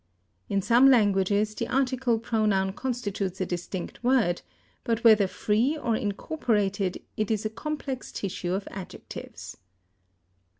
In some languages the article pronoun constitutes a distinct word, but whether free or incorporated it is a complex tissue of adjectives.